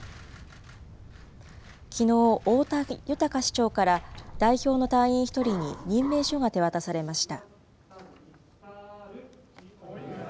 きのう、太田寛市長から、代表の隊員１人に任命書が手渡されました。